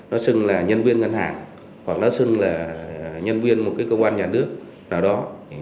nó xưng là nhân viên ngân hàng hoặc nó xưng là nhân viên một cơ quan nhà nước nào đó